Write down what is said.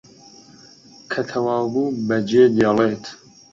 کە تەواو بوو بەجێ دێڵێت